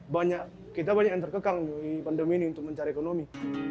banyak kita banyak yang terkekang pandemi ini untuk mencari ekonomi